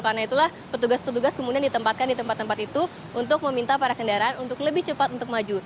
karena itulah petugas petugas kemudian ditempatkan di tempat tempat itu untuk meminta para kendaraan untuk lebih cepat untuk maju